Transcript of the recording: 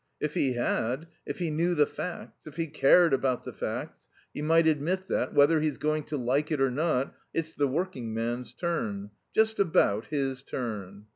If he had, if he knew the facts, if he cared about the facts, he might admit that, whether he's going to like it or not, it's the working man's turn. Just about his turn.